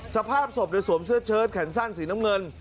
สภาพศพในสวมเสื้อเชิดแขนสั้นสีน้ำเงิน